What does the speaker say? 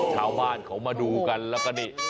ชาวบ้านเขามาดูกันแล้วก็นี่